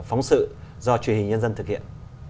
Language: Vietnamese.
phóng sự do truyền hình nhân dân thực hiện